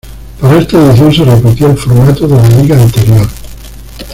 Para esta edición se repitió el formato de la liga anterior.